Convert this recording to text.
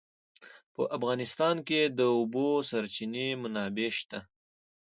په افغانستان کې د د اوبو سرچینې منابع شته.